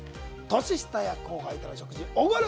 年下や後輩との食事はおごる？